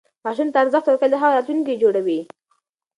ماشوم ته ارزښت ورکول د هغه راتلونکی جوړوي.